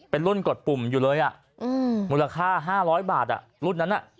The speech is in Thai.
เป็นรุ่นกดปุ่มอยู่เลยมูลค่า๕๐๐บาทรุ่นนั้น